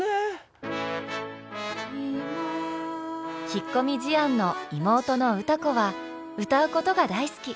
引っ込み思案の妹の歌子は歌うことが大好き。